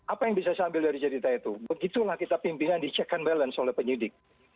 apa yang bisa saya ambil dari cerita itu begitulah kita pimpinan di check and balance oleh penyidik